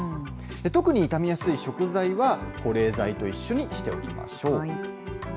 特に傷みやすい食材は、保冷剤と一緒にしておきましょう。